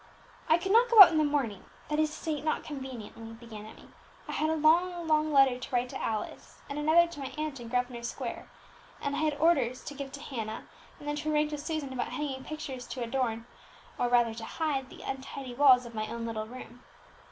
"I could not go out in the morning, that is to say, not conveniently," began Emmie. "I had a long, long letter to write to Alice, and another to my aunt in Grosvenor Square; and I had orders to give to Hannah, and then to arrange with Susan about hanging pictures to adorn, or rather to hide the untidy walls of my own little room."